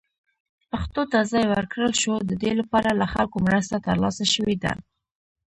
پښتو ته ځای ورکړل شو، د دې لپاره له خلکو مرسته ترلاسه شوې ده.